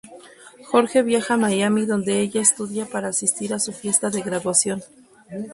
Jorge viaja a Miami donde ella estudia para asistir a su fiesta de graduación.